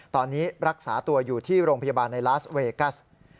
ตอนนี้รักษาตัวอยู่ที่โรงพยาบาลในลาสเวกัส